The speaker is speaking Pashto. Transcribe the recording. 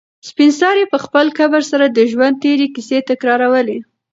سپین سرې په خپل کبر سره د ژوند تېرې کیسې تکرارولې.